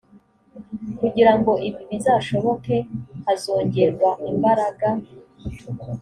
kugira ngo ibi bizashoboke hazongerwa imbaraga